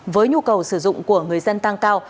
với nhu cầu sử dụng của người dân tăng cao